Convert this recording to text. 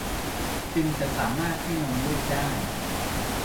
ถึงจะสามารถให้นมลูกได้